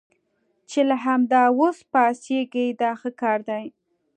چې له همدا اوس پاڅېږئ دا ښه کار دی.